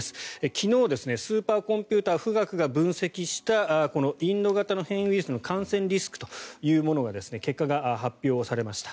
昨日スーパーコンピューター、富岳が分析したこのインド型の変異ウイルスの感染リスクというものの結果が発表されました。